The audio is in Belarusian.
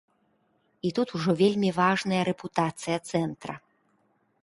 І тут ужо вельмі важная рэпутацыя цэнтра.